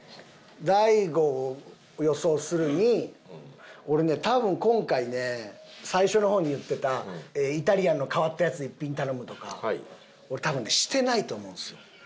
大悟を予想するに俺ね多分今回ね最初の方に言ってたイタリアンの変わったやつ１品頼むとか俺多分ねしてないと思うんですよ。